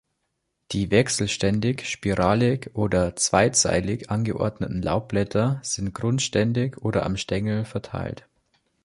Die wechselständig, spiralig oder zweizeilig angeordneten Laubblätter sind grundständig oder am Stängel verteilt.